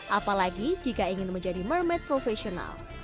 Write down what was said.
apalagi jika ingin menjadi mermaid profesional